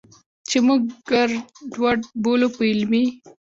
چې موږ ګړدود بولو، په علمي